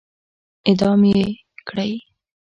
اعدام يې کړئ!